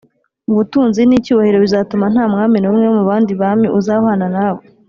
ubutunzi n’icyubahiro bizatuma nta mwami n’umwe wo mu bandi bami uzahwana nawe